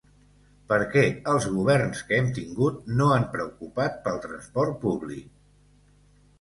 Perquè els governs que hem tingut no han preocupat pel transport públic.